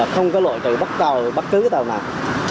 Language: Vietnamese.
không có lỗi bắt tàu nào